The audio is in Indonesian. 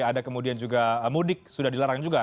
ada kemudian juga mudik sudah dilarang juga